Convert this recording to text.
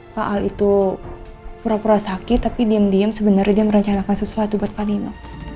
pak al itu pura pura sakit tapi diem diem sebenarnya dia merencanakan sesuatu buat pak nino